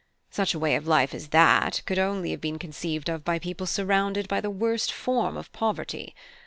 Such a way of life as that, could only have been conceived of by people surrounded by the worst form of poverty.